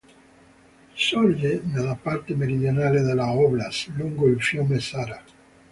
Sorge nella parte meridionale della "oblast"', lungo il fiume "Sara".